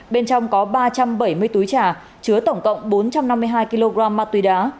bên trong có ba trăm bảy mươi túi trà chứa tổng cộng bốn trăm năm mươi hai kg ma túy đá